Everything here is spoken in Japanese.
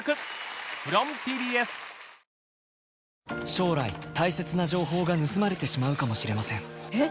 将来大切な情報が盗まれてしまうかもしれませんえっ